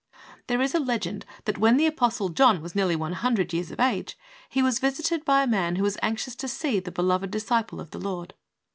There is a legend that when the Apostle John was nearly loo years of age, he was visited by a man who was anxious to see the beloved disciple of the Lord.